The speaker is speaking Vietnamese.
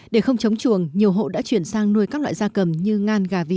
để không chống chuồng nhiều hộ đã chuyển sang nuôi các loại da cầm như ngan gà vịt